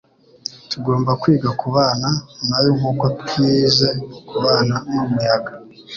tugomba kwiga kubana nayo - nk'uko twize kubana n'umuyaga. ”